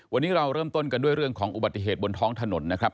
วันนี้เราเริ่มต้นกันด้วยเรื่องของอุบัติเหตุบนท้องถนนนะครับ